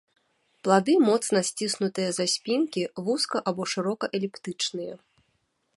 Плады моцна сціснутыя са спінкі, вузка або шырока эліптычныя.